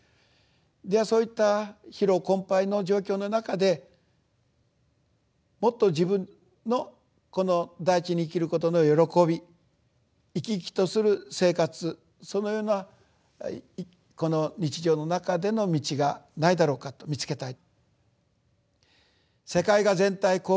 ではそういった疲労困ぱいの状況の中でもっと自分のこの大地に生きることの喜び生き生きとする生活そのようなこの日常の中での道がないだろうかと見つけたい。